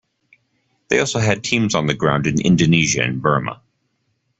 They also had teams on the ground in Indonesia and Burma.